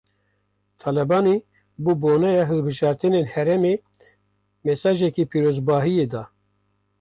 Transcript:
Talebanî bi boneya hilbijartinên herêmê, mesajeke pîrozbahiyê da